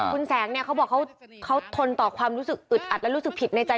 คุณแสงเนี่ยเขาบอกเขาทนต่อความรู้สึกอึดอัดและรู้สึกผิดในใจ